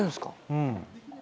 うん。